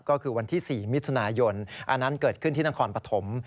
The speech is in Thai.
ก็คือวันที่๔มิถุนายนอันนั้นเกิดขึ้นที่นครปฐม